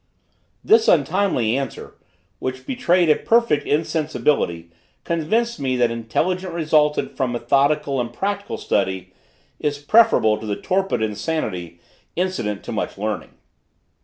This untimely answer, which betrayed a perfect insensibility, convinced me that intelligence resulting from methodical and practical study is preferable to the torpid insanity incident to much learning.